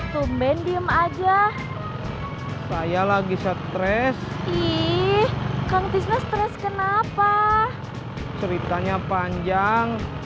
tumben diem aja saya lagi stres ih kang tisna stres kenapa ceritanya panjang